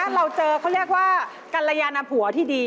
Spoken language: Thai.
เราเจอเขาเรียกว่ากัลยานผัวที่ดี